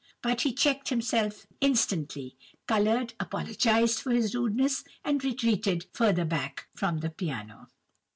But he checked himself instantly, coloured, apologized for his rudeness, and retreated further back from the piano.